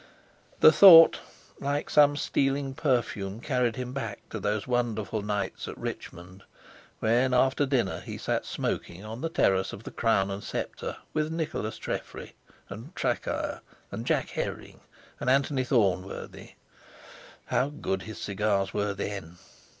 The thought, like some stealing perfume, carried him back to those wonderful nights at Richmond when after dinner he sat smoking on the terrace of the Crown and Sceptre with Nicholas Treffry and Traquair and Jack Herring and Anthony Thornworthy. How good his cigars were then!